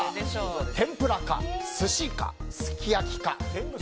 天ぷらか寿司か、すき焼きか。